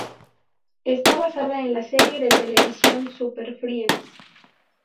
Está basada en la serie de televisión "Super Friends".